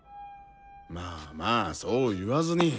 まあまあそう言わずに。